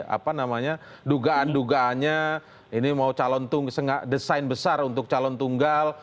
apa namanya dugaan dugaannya ini mau calon desain besar untuk calon tunggal